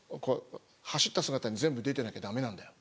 走った姿に全部出てなきゃダメなんだよ」。